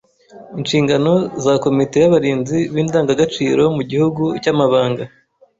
Inshingano za komite y’abarinzi b’indangagaciro mu gihugu cy’amabanga